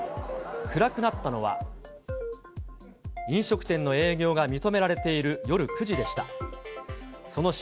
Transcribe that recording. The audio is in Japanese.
暗くなったのは、飲食店の営業が認められている夜９時でした。